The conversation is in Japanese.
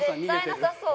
絶対なさそう。